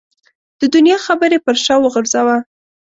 د دنیا خبرې پر شا وغورځوه.